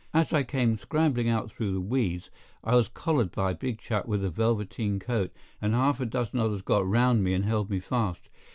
As I came scrambling out through the weeds, I was collared by a big chap with a velveteen coat, and half a dozen others got round me and held me fast.